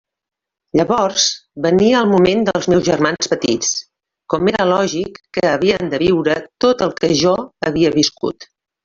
Llavors venia el moment dels meus germans petits, com era lògic, que havien de viure tot el que jo havia viscut.